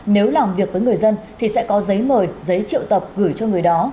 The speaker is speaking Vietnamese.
nếu làm việc với người dân thì sẽ có giấy mời giấy triệu tập gửi cho người đó